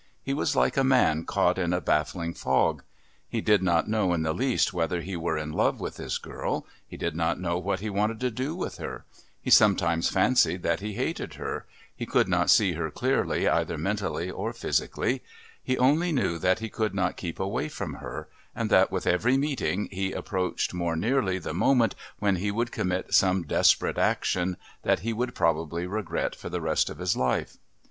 He was like a man caught in a baffling fog. He did not know in the least whether he were in love with this girl, he did not know what he wanted to do with her, he sometimes fancied that he hated her, he could not see her clearly either mentally or physically; he only knew that he could not keep away from her, and that with every meeting he approached more nearly the moment when he would commit some desperate action that he would probably regret for the rest of his life.